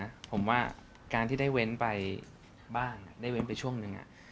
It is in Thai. ผมว่าการที่ได้เว้นไปบ้านได้เว้นไปช่วงหนึ่ง